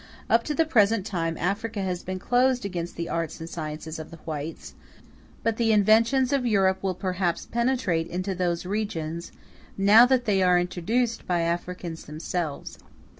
Up to the present time Africa has been closed against the arts and sciences of the whites; but the inventions of Europe will perhaps penetrate into those regions, now that they are introduced by Africans themselves.